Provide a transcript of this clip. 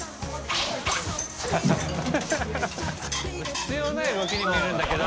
必要ない動きに見えるんだけど△